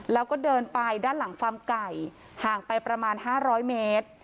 แล้วก็เดินไปด้านหลังฟาร์มไก่ห่างไปประมาณ๕๐๐เมตร